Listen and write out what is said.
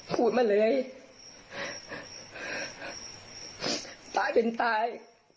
พูดมาเลยตายเป็นตาย